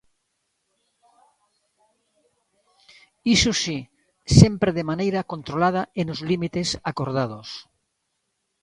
Iso si, sempre de maneira controlada e nos límites acordados.